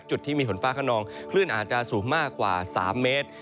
จุดที่มีฝนฟ้าขนองคลื่นอาจจะสูงมากกว่า๓เมตร